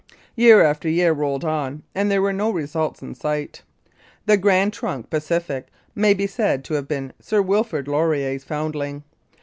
Year after year rolled on, and there were no results in sight. The Grand Trunk Pacific may be said to have been Sir Wilfrid Laurier's foundling.